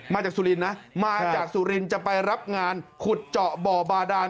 สุรินทร์นะมาจากสุรินทร์จะไปรับงานขุดเจาะบ่อบาดาน